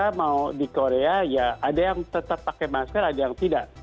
kalau kita mau di korea ada yang tetap pakai masker ada yang tidak